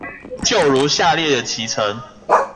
就如下列的期程